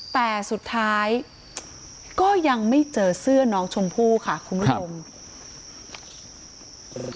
แต่สุดท้ายก็ยังไม่เจอเสื้อน้องชมพู่ค่ะคุณผู้ชม